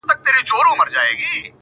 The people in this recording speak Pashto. د هغه ورځي څه مي.